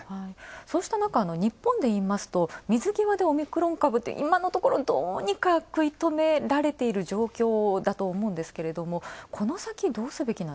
そうしたなか、日本でいいますと、水際でオミクロン株、今のところ、どうにか食い止められている状況だと思うんですけれども、この先、どうすべき？